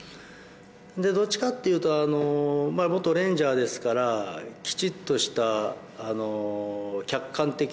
でどっちかっていうと元レンジャーですからきちっとした。